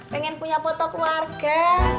pengen punya potok warga